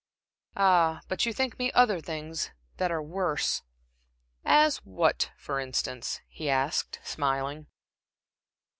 "Ah, but you think me other things that are worse." "As what, for instance?" he asked, smiling.